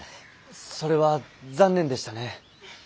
それは残念でしたね。